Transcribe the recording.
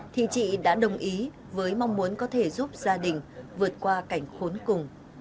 thì chị đã đồng ý với mong muốn có thể giúp gia đình vượt qua cảnh khốn cùng